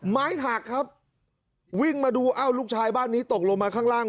ไม้หักครับวิ่งมาดูเอ้าลูกชายบ้านนี้ตกลงมาข้างล่าง